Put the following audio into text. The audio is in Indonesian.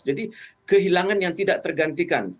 jadi kehilangan yang tidak tergantikan